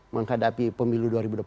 menghadapi pemilu dua ribu dua puluh